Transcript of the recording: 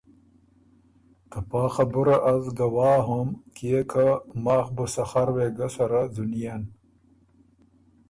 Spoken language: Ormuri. ته پا خبُره از ګواه هوم کيې ماخ بُو سخر وېګه سره ځونيېن۔